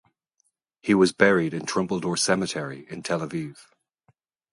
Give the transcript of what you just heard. He was buried in Trumpeldor Cemetery in Tel Aviv.